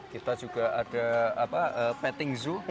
kita juga ada patting zoo